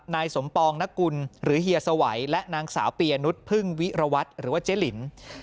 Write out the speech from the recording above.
นายสมปองนกุลหรือเฮียสวัยและนางสาวปียนุษย์พึ่งวิรวัตรหรือว่าเจ๊ลิน